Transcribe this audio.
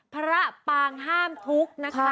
พระปางห้ามทุกข์